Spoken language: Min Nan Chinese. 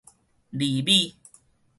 釐米